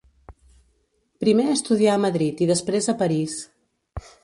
Primer estudià a Madrid i després a París.